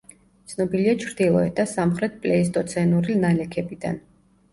ცნობილია ჩრდილოეთ და სამხრეთ პლეისტოცენური ნალექებიდან.